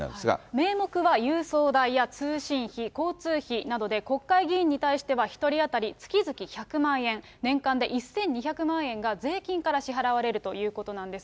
名目は郵送代や通信費、交通費などで、国会議員に対しては１人当たり月々１００万円、年間で１２００万円が税金から支払われるということなんです。